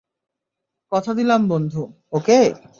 কথা দিলাম, বন্ধু, ওকে?